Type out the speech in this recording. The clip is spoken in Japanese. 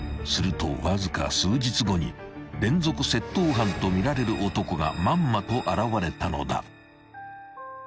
［するとわずか数日後に連続窃盗犯とみられる男がまんまと現れたのだ］